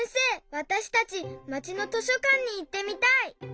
わたしたちまちの図書かんにいってみたい！